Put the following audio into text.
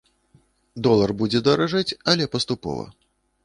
Долар будзе даражэць, але паступова.